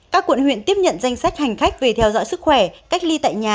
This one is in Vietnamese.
các quận huyện tiếp nhận danh sách hành khách về theo dõi sức khỏe cách ly tại nhà